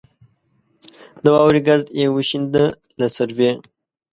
د واورې ګرد یې وشینده له سروې